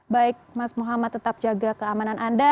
baik mas muhammad tetap jaga keamanan anda